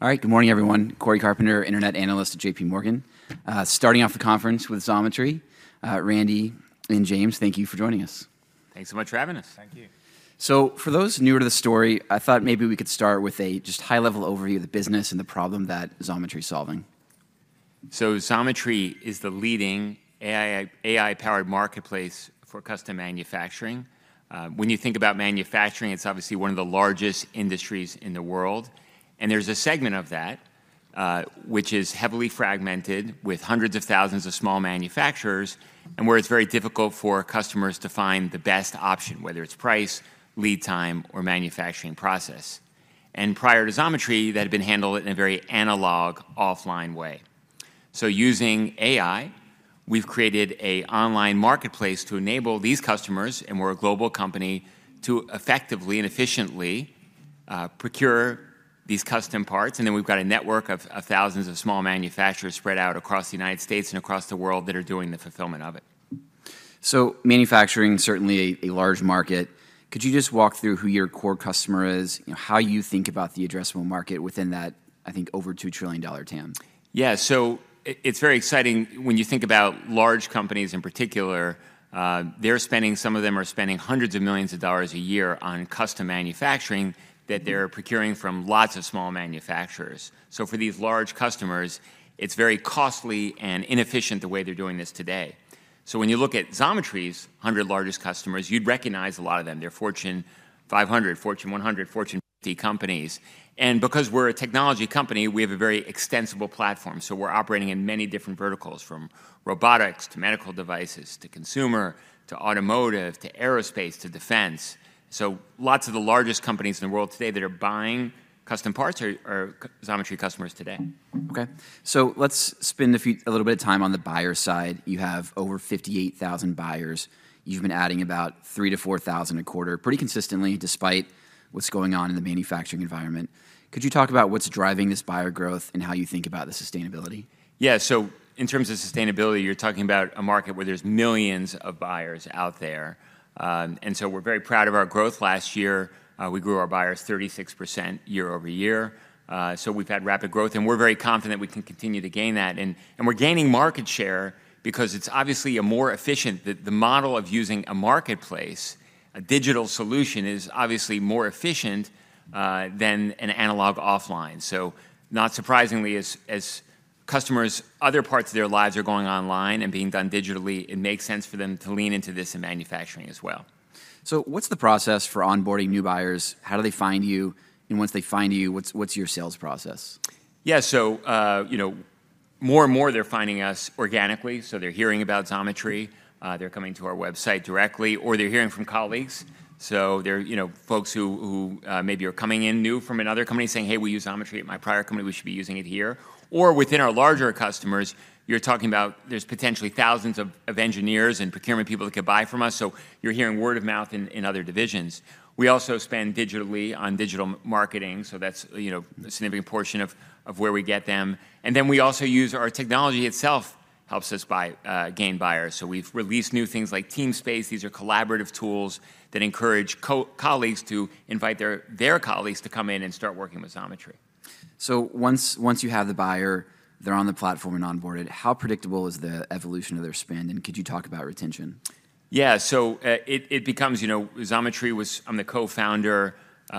All right. Good morning, everyone. Cory Carpenter, internet analyst at J.P. Morgan. Starting off the conference with Xometry. Randy and James, thank you for joining us. Thanks so much for having us. Thank you. So for those newer to the story, I thought maybe we could start with just a high-level overview of the business and the problem that Xometry is solving. Xometry is the leading AI, AI-powered marketplace for custom manufacturing. When you think about manufacturing, it's obviously one of the largest industries in the world, and there's a segment of that which is heavily fragmented with hundreds of thousands of small manufacturers, and where it's very difficult for customers to find the best option, whether it's price, lead time, or manufacturing process. Prior to Xometry, that had been handled in a very analog, offline way. Using AI, we've created an online marketplace to enable these customers, and we're a global company, to effectively and efficiently procure these custom parts. Then we've got a network of thousands of small manufacturers spread out across the United States and across the world that are doing the fulfillment of it. So manufacturing, certainly a large market. Could you just walk through who your core customer is? You know, how you think about the addressable market within that, I think, over $2 trillion TAM? Yeah. So it's very exciting when you think about large companies in particular. They're spending... Some of them are spending hundreds of millions of dollars a year on custom manufacturing that they're procuring from lots of small manufacturers. So for these large customers, it's very costly and inefficient the way they're doing this today. So when you look at Xometry's 100 largest customers, you'd recognize a lot of them. They're Fortune 500, Fortune 100, Fortune 50 companies. And because we're a technology company, we have a very extensible platform, so we're operating in many different verticals, from robotics, to medical devices, to consumer, to automotive, to aerospace, to defense. So lots of the largest companies in the world today that are buying custom parts are Xometry customers today. Okay, so let's spend a little bit of time on the buyer side. You have over 58,000 buyers. You've been adding about 3,000-4,000 a quarter, pretty consistently, despite what's going on in the manufacturing environment. Could you talk about what's driving this buyer growth and how you think about the sustainability? Yeah. So in terms of sustainability, you're talking about a market where there's millions of buyers out there. And so we're very proud of our growth. Last year, we grew our buyers 36% year-over-year. So we've had rapid growth, and we're very confident we can continue to gain that. And we're gaining market share because it's obviously a more efficient... The model of using a marketplace, a digital solution, is obviously more efficient than an analog offline. So not surprisingly, as customers, other parts of their lives are going online and being done digitally, it makes sense for them to lean into this in manufacturing as well. So what's the process for onboarding new buyers? How do they find you, and once they find you, what's your sales process? Yeah. So, you know, more and more, they're finding us organically. So they're hearing about Xometry, they're coming to our website directly, or they're hearing from colleagues. So they're, you know, folks who maybe are coming in new from another company, saying, "Hey, we use Xometry at my prior company. We should be using it here." Or within our larger customers, you're talking about there's potentially thousands of engineers and procurement people that could buy from us, so you're hearing word of mouth in other divisions. We also spend digitally on digital marketing, so that's, you know, a significant portion of where we get them. And then we also use our technology itself, helps us gain buyers. So we've released new things like Teamspace. These are collaborative tools that encourage colleagues to invite their colleagues to come in and start working with Xometry. So once you have the buyer, they're on the platform and onboarded, how predictable is the evolution of their spend, and could you talk about retention? Yeah. So, it becomes... You know, Xometry was-- I'm the co-founder.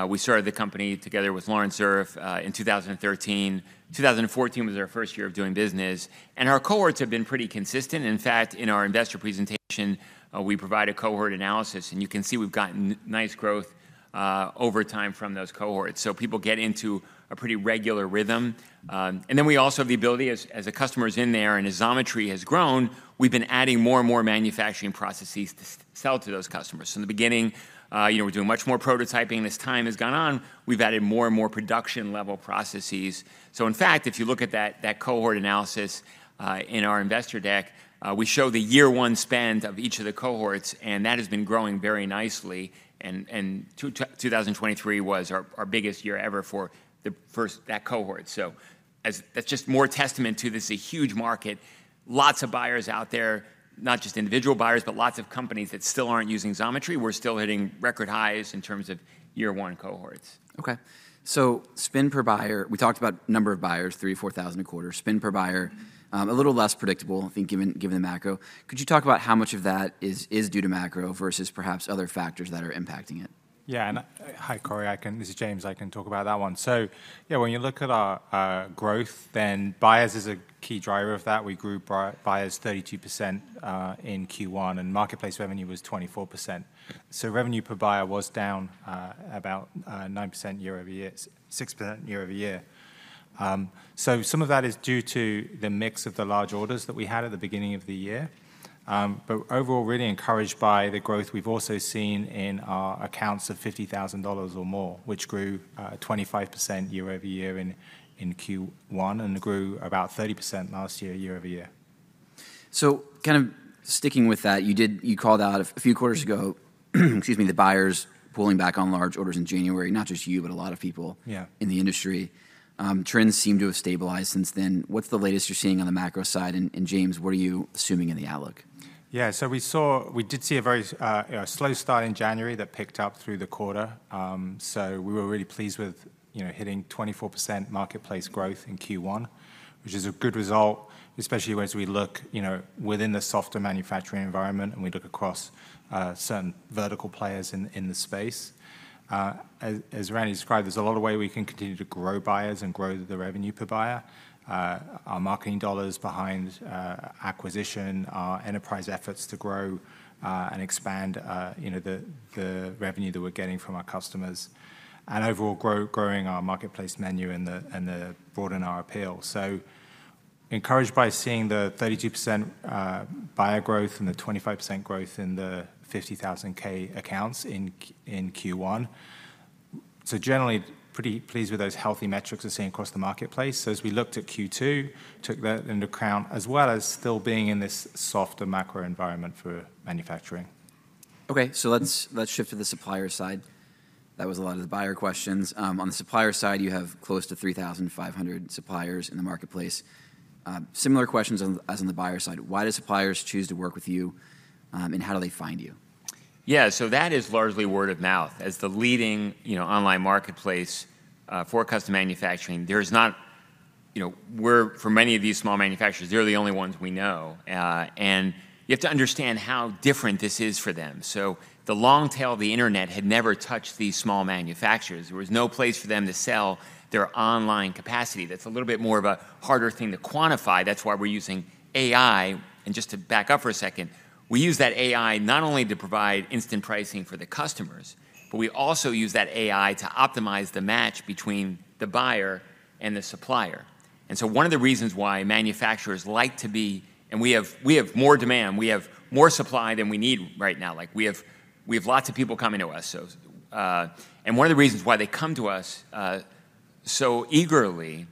We started the company together with Laurence Zuriff in 2013. 2014 was our first year of doing business, and our cohorts have been pretty consistent. In fact, in our investor presentation, we provide a cohort analysis, and you can see we've gotten nice growth over time from those cohorts. So people get into a pretty regular rhythm. And then we also have the ability as a customer is in there, and as Xometry has grown, we've been adding more and more manufacturing processes to sell to those customers. So in the beginning, you know, we're doing much more prototyping. As time has gone on, we've added more and more production-level processes. So in fact, if you look at that, that cohort analysis in our investor deck, we show the year one spend of each of the cohorts, and that has been growing very nicely. And 2023 was our biggest year ever for the first, that cohort. So that's just more testament to this is a huge market, lots of buyers out there, not just individual buyers, but lots of companies that still aren't using Xometry. We're still hitting record highs in terms of year-one cohorts. Okay, so spend per buyer, we talked about number of buyers, 3,000-4,000 a quarter. Spend per buyer, a little less predictable, I think, given the macro. Could you talk about how much of that is due to macro versus perhaps other factors that are impacting it? Yeah, and hi, Cory. This is James. I can talk about that one. So, yeah, when you look at our growth, then buyers is a key driver of that. We grew buyers 32% in Q1, and marketplace revenue was 24%. So revenue per buyer was down about 9% year-over-year, 6% year-over-year. So some of that is due to the mix of the large orders that we had at the beginning of the year. But overall, really encouraged by the growth we've also seen in our accounts of $50,000 or more, which grew 25% year-over-year in Q1 and grew about 30% last year year-over-year. So kind of sticking with that, you called out a few quarters ago, excuse me, the buyers pulling back on large orders in January, not just you, but a lot of people. Yeah. -in the industry. Trends seem to have stabilized since then. What's the latest you're seeing on the macro side? And James, what are you assuming in the outlook? Yeah, so we did see a very, you know, slow start in January that picked up through the quarter. So we were really pleased with, you know, hitting 24% marketplace growth in Q1, which is a good result, especially as we look, you know, within the softer manufacturing environment, and we look across certain vertical players in the space. As Randy described, there's a lot of way we can continue to grow buyers and grow the revenue per buyer. Our marketing dollar's behind acquisition, our enterprise efforts to grow and expand, you know, the revenue that we're getting from our customers and overall growing our marketplace menu and the broaden our appeal. So encouraged by seeing the 32% buyer growth and the 25% growth in the 50,000 accounts in Q1. So generally, pretty pleased with those healthy metrics we're seeing across the marketplace. So as we looked at Q2, took that into account, as well as still being in this softer macro environment for manufacturing. Okay, so let's shift to the supplier side. That was a lot of the buyer questions. On the supplier side, you have close to 3,500 suppliers in the marketplace. Similar questions as on the buyer side, why do suppliers choose to work with you, and how do they find you? Yeah, so that is largely word of mouth. As the leading, you know, online marketplace for custom manufacturing, there's not... You know, we're for many of these small manufacturers, we're the only ones we know, and you have to understand how different this is for them. So the long tail of the internet had never touched these small manufacturers. There was no place for them to sell their online capacity. That's a little bit more of a harder thing to quantify. That's why we're using AI. And just to back up for a second, we use that AI not only to provide instant pricing for the customers, but we also use that AI to optimize the match between the buyer and the supplier. And so one of the reasons why manufacturers like to be and we have, we have more demand, we have more supply than we need right now. Like, we have, we have lots of people coming to us, so. And one of the reasons why they come to us so eagerly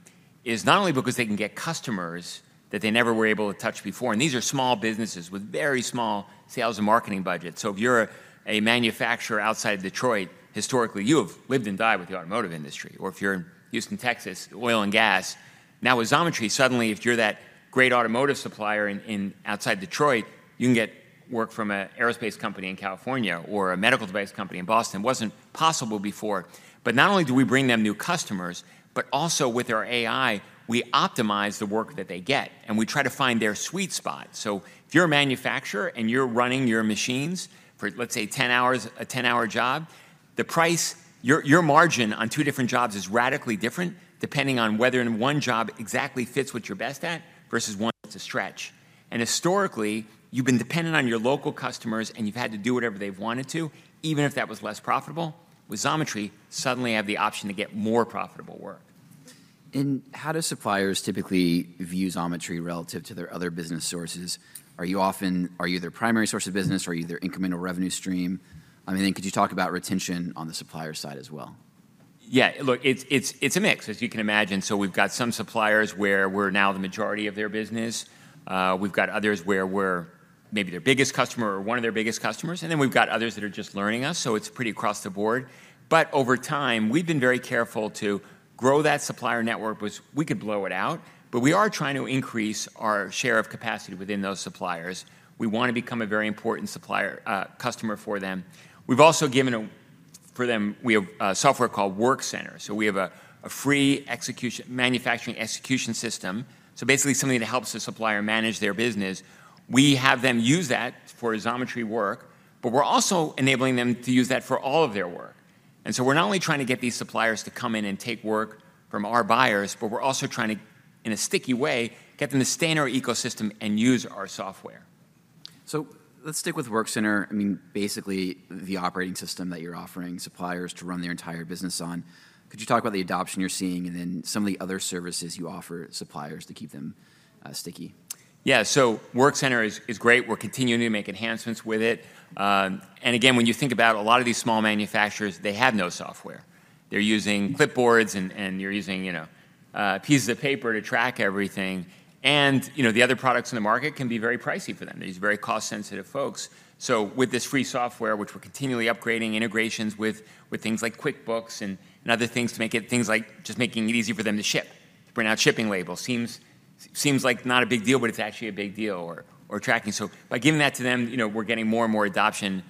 is not only because they can get customers that they never were able to touch before, and these are small businesses with very small sales and marketing budgets. So if you're a manufacturer outside Detroit, historically, you have lived and died with the automotive industry, or if you're in Houston, Texas, oil and gas. Now, with Xometry, suddenly, if you're that great automotive supplier in outside Detroit, you can get work from an aerospace company in California or a medical device company in Boston. Wasn't possible before. But not only do we bring them new customers, but also with our AI, we optimize the work that they get, and we try to find their sweet spot. So if you're a manufacturer and you're running your machines for, let's say, 10 hours, a 10-hour job, the price, your, your margin on two different jobs is radically different, depending on whether one job exactly fits what you're best at versus one that's a stretch. And historically, you've been dependent on your local customers, and you've had to do whatever they've wanted to, even if that was less profitable. With Xometry, suddenly you have the option to get more profitable work. How do suppliers typically view Xometry relative to their other business sources? Are you often their primary source of business, or are you their incremental revenue stream? And then could you talk about retention on the supplier side as well? Yeah. Look, it's a mix, as you can imagine. So we've got some suppliers where we're now the majority of their business. We've got others where we're maybe their biggest customer or one of their biggest customers, and then we've got others that are just learning us, so it's pretty across the board. But over time, we've been very careful to grow that supplier network, which we could blow it out, but we are trying to increase our share of capacity within those suppliers. We want to become a very important supplier, customer for them. We've also. For them, we have a software called Workcenter. So we have a free execution, manufacturing execution system. So basically, something that helps the supplier manage their business. We have them use that for Xometry work, but we're also enabling them to use that for all of their work. And so we're not only trying to get these suppliers to come in and take work from our buyers, but we're also trying to, in a sticky way, get them to stay in our ecosystem and use our software. So let's stick with Workcenter. I mean, basically the operating system that you're offering suppliers to run their entire business on. Could you talk about the adoption you're seeing and then some of the other services you offer suppliers to keep them sticky? Yeah. So Workcenter is great. We're continuing to make enhancements with it. And again, when you think about a lot of these small manufacturers, they have no software. They're using clipboards, and they're using, you know, pieces of paper to track everything. And, you know, the other products in the market can be very pricey for them. These are very cost-sensitive folks. So with this free software, which we're continually upgrading integrations with things like QuickBooks and other things to make it, things like just making it easy for them to ship, print out shipping labels, seems like not a big deal, but it's actually a big deal or tracking. So by giving that to them, you know, we're getting more and more adoption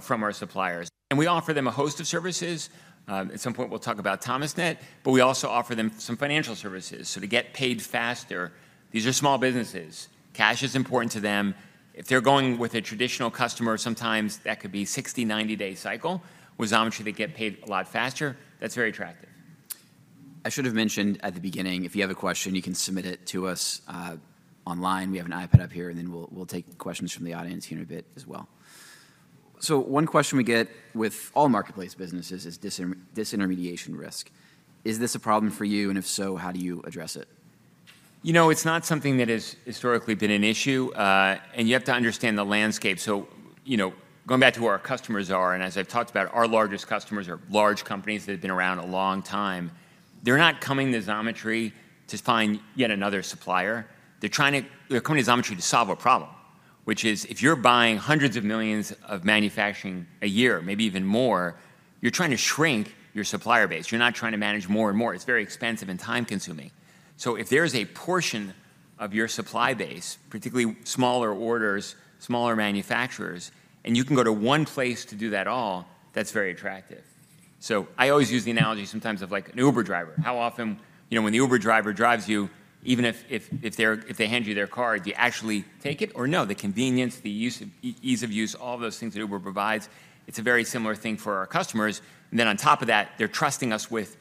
from our suppliers. And we offer them a host of services. At some point, we'll talk about Thomasnet, but we also offer them some financial services. So to get paid faster, these are small businesses. Cash is important to them. If they're going with a traditional customer, sometimes that could be 60, 90-day cycle. With Xometry, they get paid a lot faster. That's very attractive. I should have mentioned at the beginning, if you have a question, you can submit it to us online. We have an iPad up here, and then we'll take questions from the audience here in a bit as well. So one question we get with all marketplace businesses is disintermediation risk. Is this a problem for you, and if so, how do you address it? You know, it's not something that has historically been an issue, and you have to understand the landscape. So, you know, going back to who our customers are, and as I've talked about, our largest customers are large companies that have been around a long time. They're not coming to Xometry to find yet another supplier. They're trying to... They're coming to Xometry to solve a problem... which is if you're buying hundreds of millions of manufacturing a year, maybe even more, you're trying to shrink your supplier base. You're not trying to manage more and more. It's very expensive and time-consuming. So if there's a portion of your supply base, particularly smaller orders, smaller manufacturers, and you can go to one place to do that all, that's very attractive. So I always use the analogy sometimes of, like, an Uber driver. How often, you know, when the Uber driver drives you, even if they hand you their card, do you actually take it or no? The convenience, the ease of use, all those things that Uber provides, it's a very similar thing for our customers, and then on top of that, they're trusting us with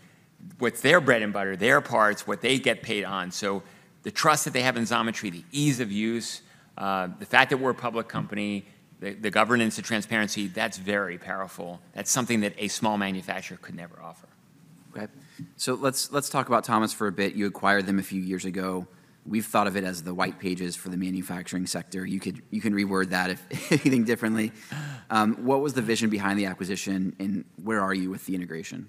their bread and butter, their parts, what they get paid on. So the trust that they have in Xometry, the ease of use, the fact that we're a public company, the governance, the transparency, that's very powerful. That's something that a small manufacturer could never offer. Okay, so let's talk about Thomas for a bit. You acquired them a few years ago. We've thought of it as the white pages for the manufacturing sector. You can reword that if anything differently. What was the vision behind the acquisition, and where are you with the integration?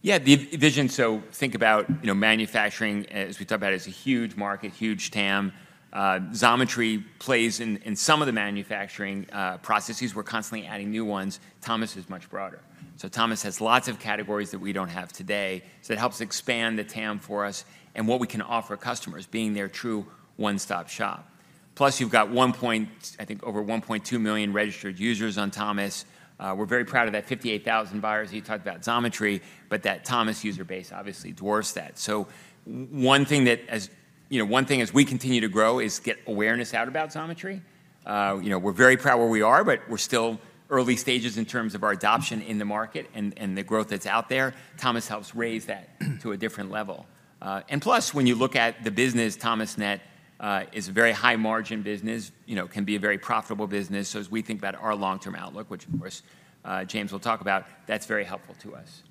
Yeah, the vision, so think about, you know, manufacturing, as we talked about, is a huge market, huge TAM. Xometry plays in some of the manufacturing processes. We're constantly adding new ones. Thomas is much broader. So Thomas has lots of categories that we don't have today, so it helps expand the TAM for us and what we can offer customers, being their true one-stop shop. Plus, you've got over 1.2 million registered users on Thomas. We're very proud of that 58,000 buyers you talked about at Xometry, but that Thomas user base obviously dwarfs that. So one thing that, as you know, as we continue to grow is get awareness out about Xometry. You know, we're very proud of where we are, but we're still early stages in terms of our adoption in the market and the growth that's out there. Thomas helps raise that to a different level. And plus, when you look at the business, Thomasnet is a very high-margin business, you know, can be a very profitable business. So as we think about our long-term outlook, which of course, James will talk about, that's very helpful to us.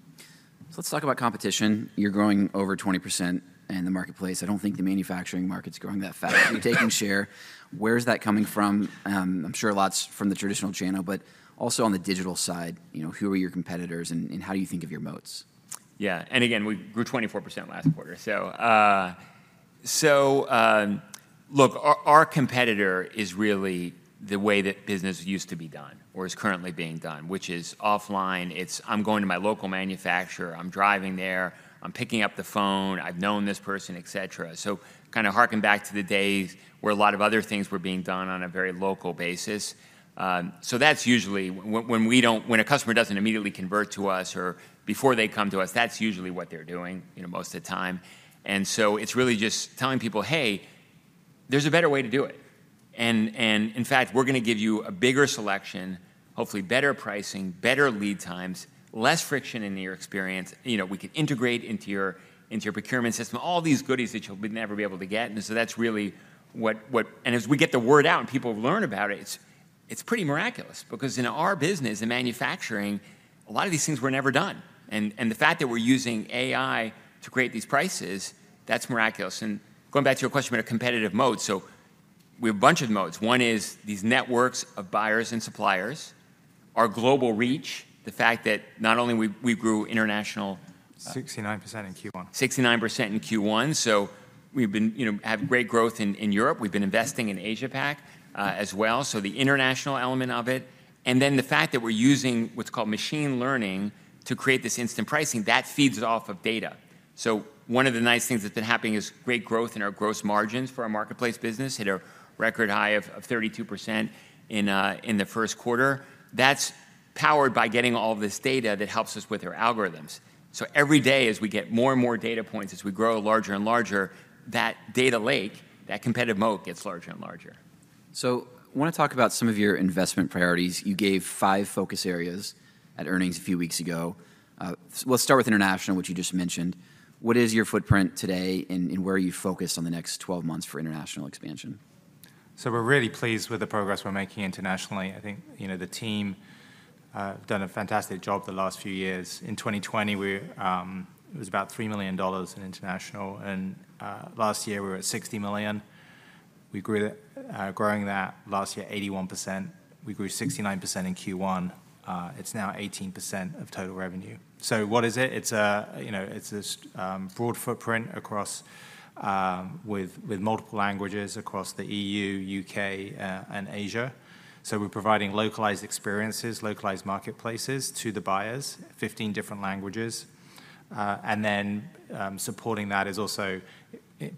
So let's talk about competition. You're growing over 20% in the marketplace. I don't think the manufacturing market's growing that fast. You're taking share. Where is that coming from? I'm sure a lot's from the traditional channel, but also on the digital side, you know, who are your competitors, and how do you think of your moats? Yeah. And again, we grew 24% last quarter. Look, our competitor is really the way that business used to be done or is currently being done, which is offline. It's, "I'm going to my local manufacturer, I'm driving there, I'm picking up the phone, I've known this person," et cetera. So kind of harken back to the days where a lot of other things were being done on a very local basis. That's usually when a customer doesn't immediately convert to us or before they come to us, that's usually what they're doing, you know, most of the time, and it's really just telling people, "Hey, there's a better way to do it, and in fact, we're gonna give you a bigger selection, hopefully better pricing, better lead times, less friction in your experience. You know, we can integrate into your procurement system," all these goodies that you'll be never be able to get, and so that's really what, what... And as we get the word out and people learn about it, it's, it's pretty miraculous because in our business, in manufacturing, a lot of these things were never done, and, and the fact that we're using AI to create these prices, that's miraculous. And going back to your question about a competitive moat, so we have a bunch of moats. One is these networks of buyers and suppliers, our global reach, the fact that not only we, we grew international- 69% in Q1. 69% in Q1, so we've been... you know, have great growth in Europe. We've been investing in Asia Pac, as well, so the international element of it, and then the fact that we're using what's called machine learning to create this instant pricing, that feeds off of data. So one of the nice things that's been happening is great growth in our gross margins for our marketplace business, hit a record high of 32% in the first quarter. That's powered by getting all this data that helps us with our algorithms. So every day, as we get more and more data points, as we grow larger and larger, that data lake, that competitive moat, gets larger and larger. I wanna talk about some of your investment priorities. You gave five focus areas at earnings a few weeks ago. Let's start with international, which you just mentioned. What is your footprint today, and where are you focused on the next 12 months for international expansion? So we're really pleased with the progress we're making internationally. I think, you know, the team have done a fantastic job the last few years. In 2020, it was about $3 million in international, and, last year, we were at $60 million. We grew that, growing that last year, 81%. We grew 69% in Q1. It's now 18% of total revenue. So what is it? It's a, you know, it's this, broad footprint across, with, with multiple languages across the EU, U.K., and Asia. So we're providing localized experiences, localized marketplaces to the buyers, 15 different languages, and then, supporting that is also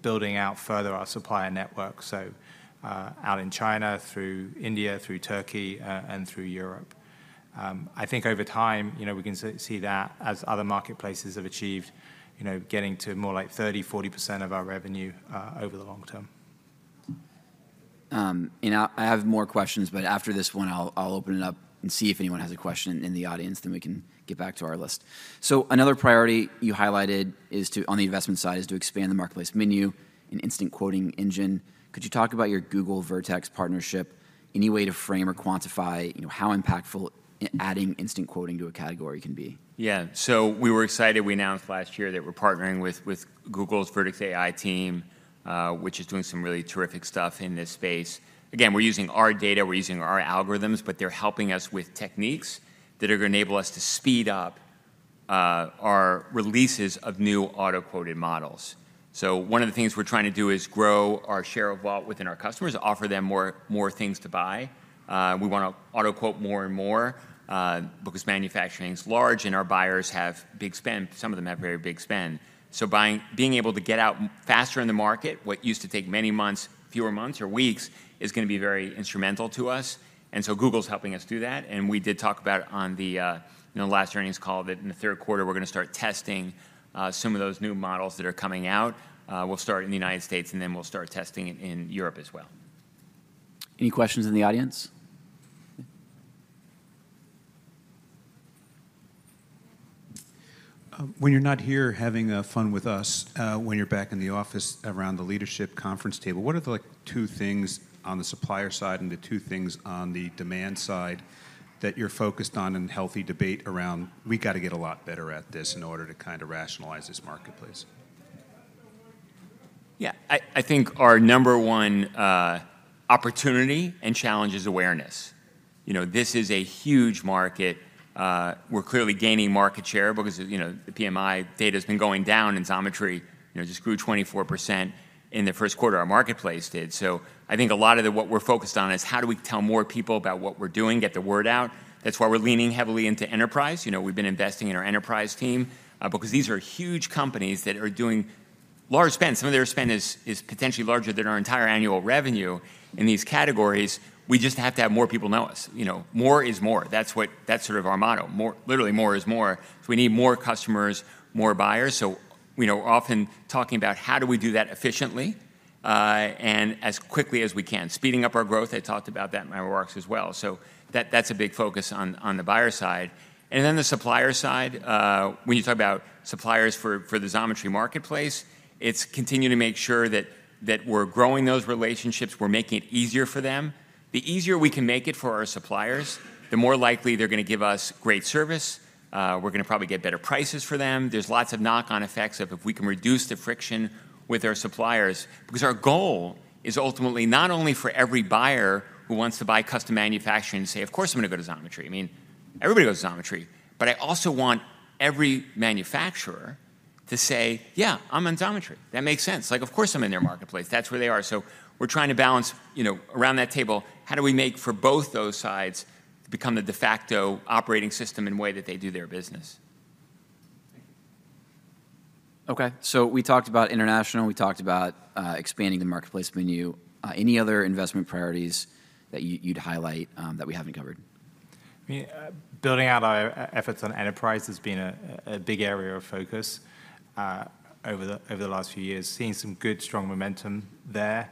building out further our supplier network, so, out in China, through India, through Turkey, and through Europe. I think over time, you know, we can see that as other marketplaces have achieved, you know, getting to more like 30%-40% of our revenue, over the long term. And I have more questions, but after this one, I'll open it up and see if anyone has a question in the audience, then we can get back to our list. So another priority you highlighted is, on the investment side, to expand the marketplace menu and Instant Quoting Engine. Could you talk about your Google Vertex partnership? Any way to frame or quantify, you know, how impactful is adding instant quoting to a category can be? Yeah. So we were excited. We announced last year that we're partnering with Google's Vertex AI team, which is doing some really terrific stuff in this space. Again, we're using our data, we're using our algorithms, but they're helping us with techniques that are gonna enable us to speed up our releases of new auto-quoted models. So one of the things we're trying to do is grow our share of wallet within our customers, offer them more things to buy. We wanna auto-quote more and more, because manufacturing is large and our buyers have big spend. Some of them have very big spend. So being able to get out faster in the market, what used to take many months, fewer months or weeks, is gonna be very instrumental to us, and so Google's helping us do that. And we did talk about it on the, you know, last earnings call, that in the third quarter we're gonna start testing some of those new models that are coming out. We'll start in the United States, and then we'll start testing it in Europe as well. Any questions in the audience? When you're not here having fun with us, when you're back in the office around the leadership conference table, what are the, like, two things on the supplier side and the two things on the demand side that you're focused on and healthy debate around, "We got to get a lot better at this in order to kind of rationalize this marketplace"? Yeah, I think our number one opportunity and challenge is awareness. You know, this is a huge market. We're clearly gaining market share because, you know, the PMI data's been going down, and Xometry, you know, just grew 24% in the first quarter, our marketplace did. So I think a lot of the... what we're focused on is how do we tell more people about what we're doing, get the word out? That's why we're leaning heavily into enterprise. You know, we've been investing in our enterprise team because these are huge companies that are doing large spend. Some of their spend is potentially larger than our entire annual revenue in these categories. We just have to have more people know us. You know, more is more. That's what- that's sort of our motto. More- literally, more is more. So we need more customers, more buyers, so, you know, often talking about how do we do that efficiently, and as quickly as we can, speeding up our growth, I talked about that in my remarks as well. So that, that's a big focus on, on the buyer side. And then the supplier side, when you talk about suppliers for, for the Xometry marketplace, it's continuing to make sure that, that we're growing those relationships, we're making it easier for them. The easier we can make it for our suppliers, the more likely they're gonna give us great service. We're gonna probably get better prices for them. There's lots of knock-on effects of if we can reduce the friction with our suppliers, because our goal is ultimately not only for every buyer who wants to buy custom manufacturing and say, "Of course, I'm gonna go to Xometry. I mean, everybody goes to Xometry." But I also want every manufacturer to say, "Yeah, I'm on Xometry. That makes sense. Like, of course, I'm in their marketplace. That's where they are." So we're trying to balance, you know, around that table, how do we make for both those sides to become the de facto operating system and way that they do their business? Thank you. Okay, so we talked about international, we talked about expanding the marketplace menu. Any other investment priorities that you'd highlight that we haven't covered? I mean, building out our efforts on enterprise has been a big area of focus over the last few years, seeing some good, strong momentum there.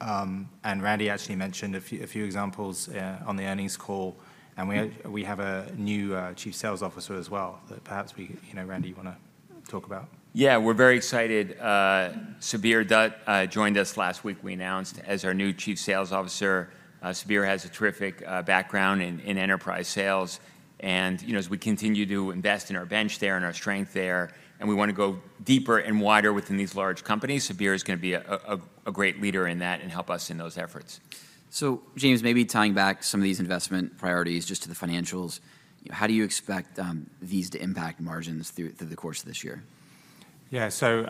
And Randy actually mentioned a few examples on the earnings call, and we- Yeah... we have a new Chief Sales Officer as well, that perhaps we, you know, Randy, you wanna talk about? Yeah, we're very excited. Subir Dutt joined us last week, we announced, as our new Chief Sales Officer. Subir has a terrific background in enterprise sales, and, you know, as we continue to invest in our bench there and our strength there, and we want to go deeper and wider within these large companies, Subir is gonna be a great leader in that and help us in those efforts. So, James, maybe tying back some of these investment priorities just to the financials, how do you expect these to impact margins through the course of this year? Yeah. So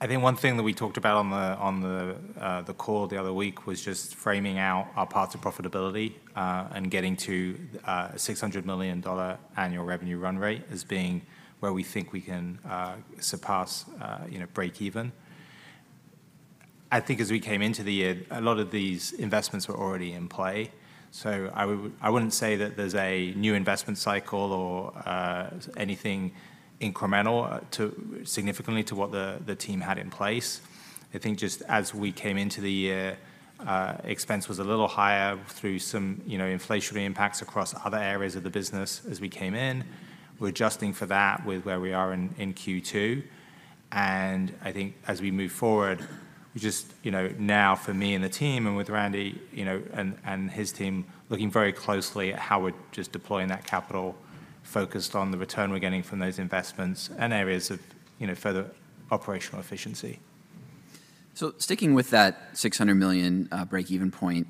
I think one thing that we talked about on the call the other week was just framing out our path to profitability and getting to $600 million annual revenue run rate as being where we think we can surpass, you know, break even. I think as we came into the year, a lot of these investments were already in play, so I wouldn't say that there's a new investment cycle or anything incremental, significantly to what the team had in place. I think just as we came into the year, expense was a little higher through some, you know, inflationary impacts across other areas of the business as we came in. We're adjusting for that with where we are in Q2, and I think as we move forward, we just... You know, now for me and the team, and with Randy, you know, and his team, looking very closely at how we're just deploying that capital, focused on the return we're getting from those investments and areas of, you know, further operational efficiency. So sticking with that $600 million break-even point,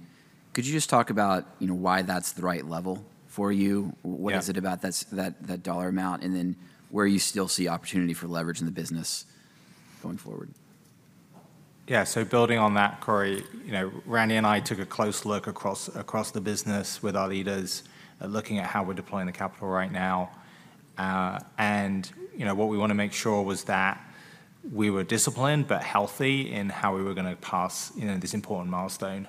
could you just talk about, you know, why that's the right level for you? Yeah. What is it about that dollar amount, and then where you still see opportunity for leverage in the business going forward? Yeah, so building on that, Cory, you know, Randy and I took a close look across the business with our leaders, looking at how we're deploying the capital right now, you know, what we wanna make sure was that we were disciplined but healthy in how we were gonna pass, you know, this important milestone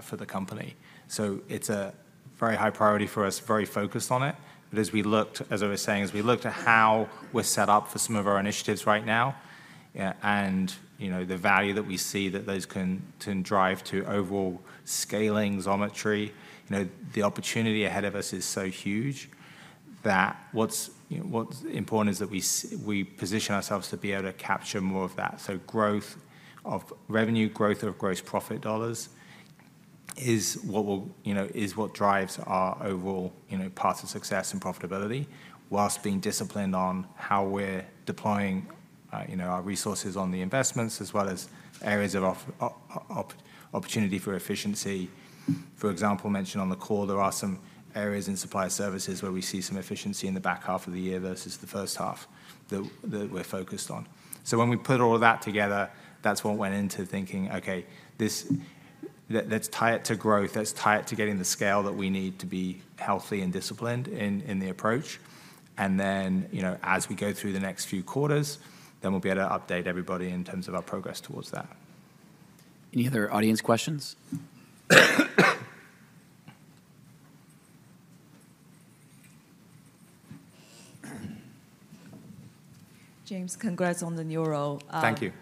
for the company. So it's a very high priority for us, very focused on it. But as we looked—as I was saying, as we looked at how we're set up for some of our initiatives right now, you know, the value that we see that those can drive to overall scaling Xometry, you know, the opportunity ahead of us is so huge that what's, you know, what's important is that we position ourselves to be able to capture more of that. So growth of revenue, growth of gross profit dollars is what will, you know, is what drives our overall, you know, path to success and profitability, while being disciplined on how we're deploying, you know, our resources on the investments as well as areas of opportunity for efficiency. For example, mentioned on the call, there are some areas in Supplier Services where we see some efficiency in the back half of the year versus the first half that we're focused on. So when we put all of that together, that's what went into thinking, "Okay, this, let's tie it to growth, let's tie it to getting the scale that we need to be healthy and disciplined in the approach." And then, you know, as we go through the next few quarters, then we'll be able to update everybody in terms of our progress towards that. Any other audience questions? James, congrats on the new role. Thank you.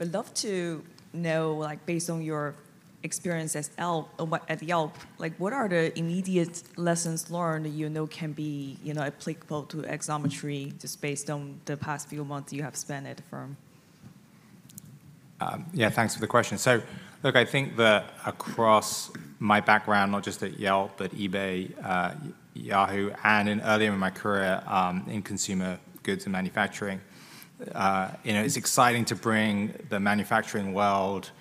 I'd love to know, like, based on your experience at Yelp, like, what are the immediate lessons learned that you know can be, you know, applicable to Xometry, just based on the past few months you have spent at the firm? Yeah, thanks for the question. So look, I think that across my background, not just at Yelp, but eBay, Yahoo!, and earlier in my career, in consumer goods and manufacturing,... you know, it's exciting to bring the manufacturing world,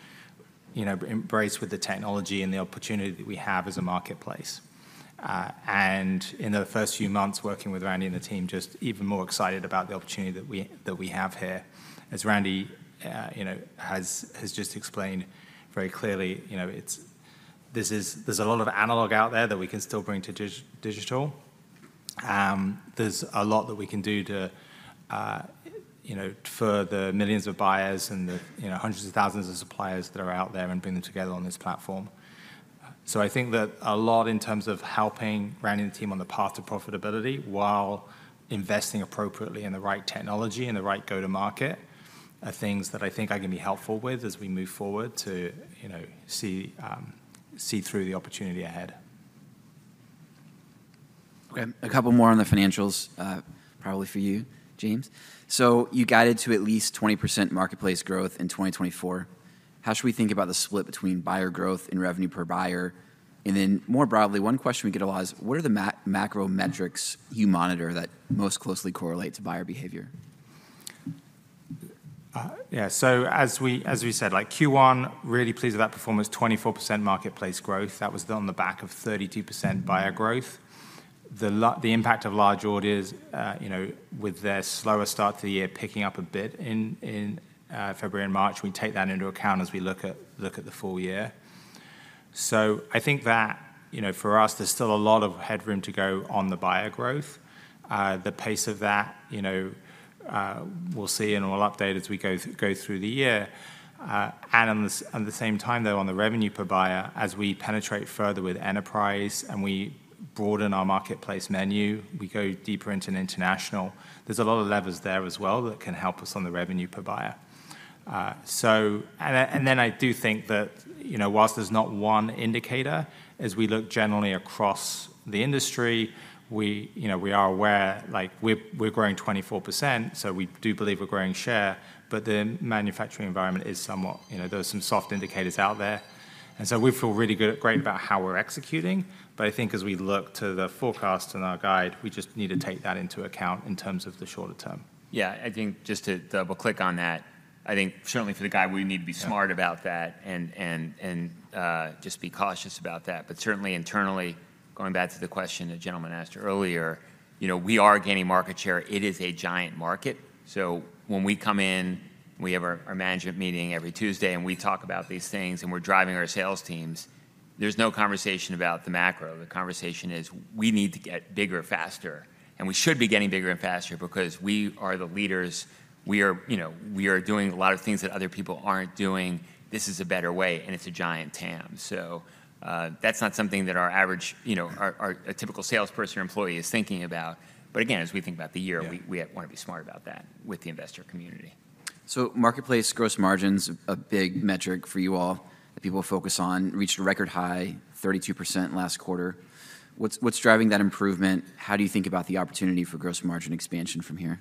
you know, embraced with the technology and the opportunity that we have as a marketplace. And in the first few months, working with Randy and the team, just even more excited about the opportunity that we have here. As Randy, you know, has just explained very clearly, you know, there's a lot of analog out there that we can still bring to digital. There's a lot that we can do to, you know, for the millions of buyers and the, you know, hundreds of thousands of suppliers that are out there and bring them together on this platform. So I think that a lot in terms of helping Randy and the team on the path to profitability while investing appropriately in the right technology and the right go-to-market are things that I think I can be helpful with as we move forward to, you know, see, see through the opportunity ahead. Okay, a couple more on the financials, probably for you, James. So you guided to at least 20% marketplace growth in 2024. How should we think about the split between buyer growth and revenue per buyer? And then, more broadly, one question we get a lot is: what are the macro metrics you monitor that most closely correlate to buyer behavior? Yeah, so as we, as we said, like Q1, really pleased with that performance, 24% marketplace growth. That was built on the back of 32% buyer growth. The impact of large orders, you know, with their slower start to the year, picking up a bit in, in, February and March. We take that into account as we look at, look at the full year. So I think that, you know, for us, there's still a lot of headroom to go on the buyer growth. The pace of that, you know, we'll see and we'll update as we go through, go through the year. At the same time, though, on the revenue per buyer, as we penetrate further with enterprise and we broaden our marketplace menu, we go deeper into international, there's a lot of levers there as well that can help us on the revenue per buyer. So, and then I do think that, you know, whilst there's not one indicator, as we look generally across the industry, we, you know, we are aware, like, we're growing 24%, so we do believe we're growing share, but the manufacturing environment is somewhat... You know, there are some soft indicators out there, and so we feel really great about how we're executing. But I think as we look to the forecast and our guide, we just need to take that into account in terms of the shorter term. Yeah, I think just to double-click on that, I think certainly for the guide, we need to be- Yeah... smart about that, just be cautious about that. But certainly internally, going back to the question the gentleman asked earlier, you know, we are gaining market share. It is a giant market. So when we come in, we have our management meeting every Tuesday, and we talk about these things, and we're driving our sales teams, there's no conversation about the macro. The conversation is, we need to get bigger faster, and we should be getting bigger and faster because we are the leaders. We are, you know, we are doing a lot of things that other people aren't doing. This is a better way, and it's a giant TAM. So, that's not something that our average, you know, a typical salesperson or employee is thinking about. But again, as we think about the year- Yeah... we want to be smart about that with the investor community. So marketplace gross margin's a big metric for you all that people focus on, reached a record high, 32% last quarter. What's driving that improvement? How do you think about the opportunity for gross margin expansion from here?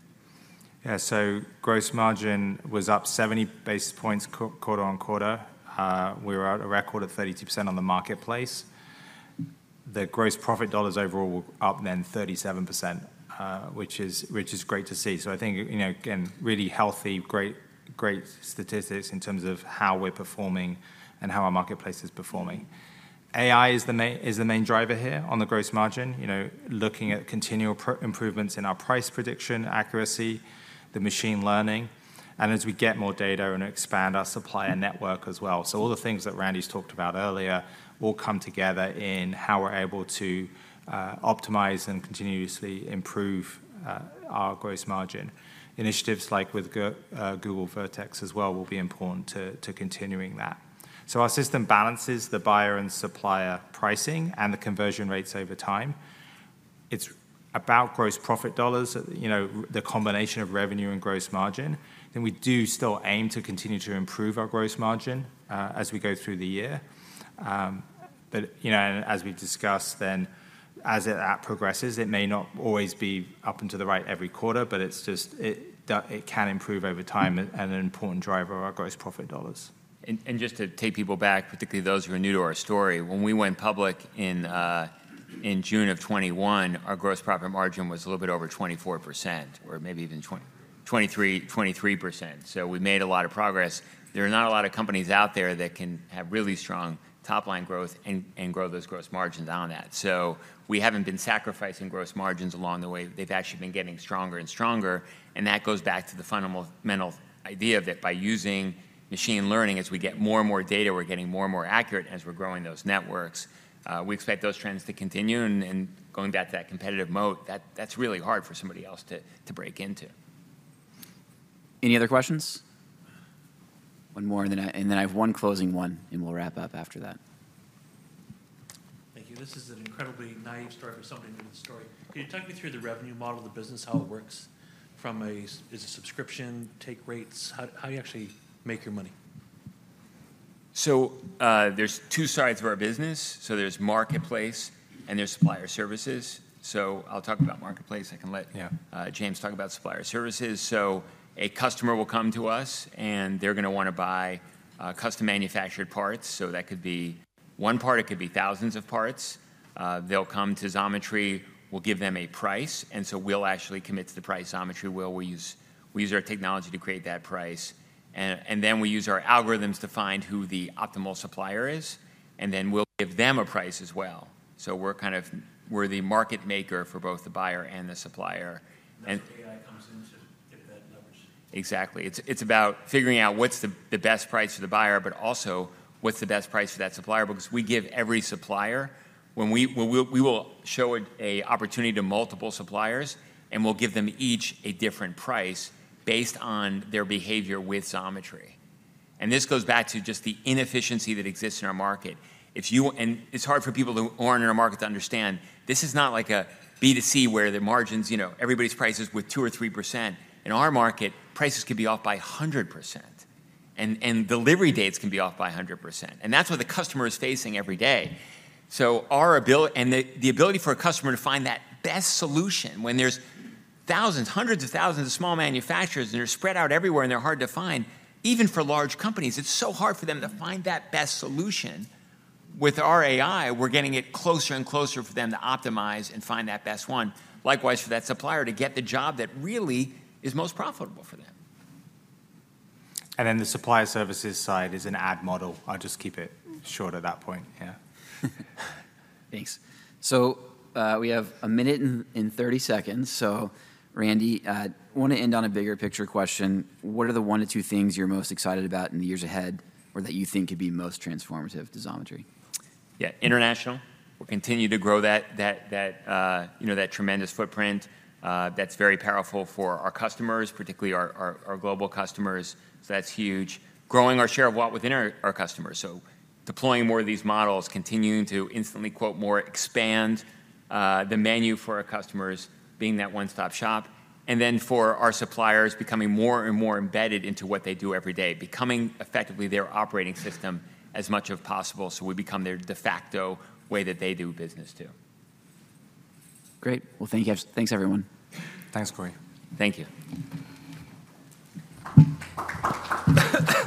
Yeah, so gross margin was up 70 basis points quarter on quarter. We were at a record of 32% on the marketplace. The gross profit dollars overall were up then 37%, which is, which is great to see. So I think, you know, again, really healthy, great, great statistics in terms of how we're performing and how our marketplace is performing. AI is the main driver here on the gross margin. You know, looking at continual improvements in our price prediction accuracy, the machine learning, and as we get more data and expand our supplier network as well. So all the things that Randy's talked about earlier all come together in how we're able to optimize and continuously improve our gross margin. Initiatives like with Google Vertex as well will be important to continuing that. So our system balances the buyer and supplier pricing and the conversion rates over time. It's about gross profit dollars, you know, the combination of revenue and gross margin, then we do still aim to continue to improve our gross margin as we go through the year. But, you know, and as we discussed then, as that progresses, it may not always be up and to the right every quarter, but it's just, it can improve over time. and an important driver of our gross profit dollars. And just to take people back, particularly those who are new to our story, when we went public in, in June of 2021, our gross profit margin was a little bit over 24%, or maybe even 23, 23%. So we've made a lot of progress. There are not a lot of companies out there that can have really strong top-line growth and, and grow those gross margins on that. So we haven't been sacrificing gross margins along the way. They've actually been getting stronger and stronger, and that goes back to the fundamental idea that by using machine learning, as we get more and more data, we're getting more and more accurate as we're growing those networks. We expect those trends to continue, and, and going back to that competitive moat, that's really hard for somebody else to, to break into. Any other questions? One more, and then I have one closing one, and we'll wrap up after that. Thank you. This is an incredibly naive start for somebody new to the story. Can you talk me through the revenue model of the business, how it works from a... Is it subscription, take rates? How, how do you actually make your money? So, there's two sides of our business. So there's marketplace and there's supplier services. So I'll talk about marketplace. I can let- Yeah. James talk about supplier services. So a customer will come to us, and they're gonna wanna buy custom-manufactured parts. So that could be one part, it could be thousands of parts. They'll come to Xometry. We'll give them a price, and so we'll actually commit to the price. Xometry will. We use our technology to create that price, and then we use our algorithms to find who the optimal supplier is, and then we'll give them a price as well. So we're kind of... We're the market maker for both the buyer and the supplier. And- That's where AI comes in, to get that numbers. Exactly. It's about figuring out what's the best price for the buyer, but also, what's the best price for that supplier? Because we give every supplier... When we will show an opportunity to multiple suppliers, and we'll give them each a different price based on their behavior with Xometry. And this goes back to just the inefficiency that exists in our market. And it's hard for people who aren't in our market to understand, this is not like a B2C, where the margins, you know, everybody's prices with 2 or 3%. In our market, prices could be off by 100%, and delivery dates can be off by 100%, and that's what the customer is facing every day. So our ability and the ability for a customer to find that best solution when there's thousands, hundreds of thousands of small manufacturers, and they're spread out everywhere, and they're hard to find. Even for large companies, it's so hard for them to find that best solution. With our AI, we're getting it closer and closer for them to optimize and find that best one. Likewise, for that supplier to get the job that really is most profitable for them. And then the Supplier Services side is an ad model. I'll just keep it short at that point. Yeah. Thanks. So, we have a minute and 30 seconds. So Randy, I wanna end on a bigger picture question. What are the 1-2 things you're most excited about in the years ahead, or that you think could be most transformative to Xometry? Yeah, international. We'll continue to grow that tremendous footprint. That's very powerful for our customers, particularly our global customers, so that's huge. Growing our share of wallet within our customers, so deploying more of these models, continuing to instantly quote more, expand the menu for our customers, being that one-stop shop, and then for our suppliers, becoming more and more embedded into what they do every day, becoming effectively their operating system as much as possible, so we become their de facto way that they do business, too. Great. Well, thank you. Thanks, everyone. Thanks, Cory. Thank you.